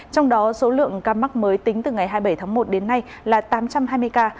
trong đó số lượng ca mắc mới tính từ ngày hai mươi bảy tháng một đến nay là tám trăm hai mươi ca